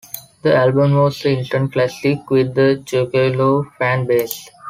The album was a instant classic with the Juggalo fan base.